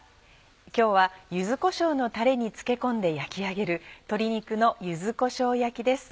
今日は柚子こしょうのタレに漬け込んで焼き上げる「鶏肉の柚子こしょう焼き」です。